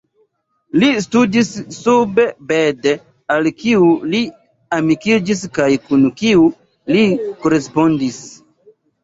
Li studis sub Bede, al kiu li amikiĝis kaj kun kiu li korespondis.